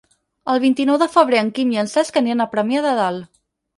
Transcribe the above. El vint-i-nou de febrer en Quim i en Cesc aniran a Premià de Dalt.